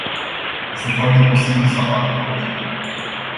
Este foarte posibil să apară probleme.